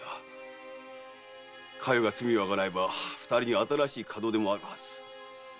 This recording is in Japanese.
佳代が罪をあがなえば二人に新しい門出もあるはず。